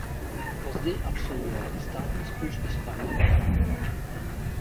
Později absolvoval i státní zkoušky z klavíru a varhan.